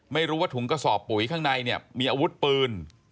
ไม่รู้ว่าถุงกระสอบปุ๋ยข้างในเนี่ยมีอาวุธปืน